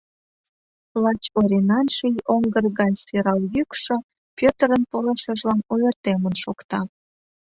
Лач Оринан ший оҥгыр гай сӧрал йӱкшӧ Пӧтырын пылышыжлан ойыртемын шокта.